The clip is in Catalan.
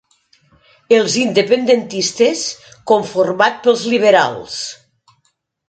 Els independentistes, conformat pels liberals.